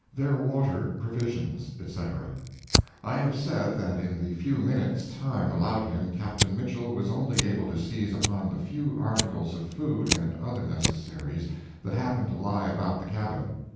THEIR WATER, PROVISIONS, ETC. I have said that in the few minutes time allowed him, Captain Mitchell was only able to seize upon the few articles of food and other necessaries that happened to lie about the cabin.